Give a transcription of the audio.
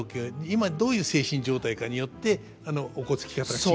今どういう精神状態かによっておこつき方が違うっていう。